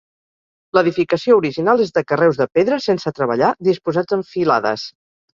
L'edificació original és de carreus de pedra sense treballar disposats en filades.